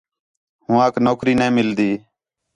ہوآنک نوکری نَے مِلدی